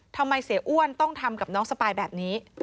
เสียอ้วนต้องทำกับน้องสปายแบบนี้